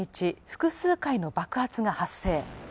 複数回の爆発が発生